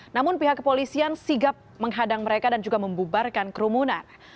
namun pihak kepolisian sigap menghadang mereka dan juga membubarkan kerumunan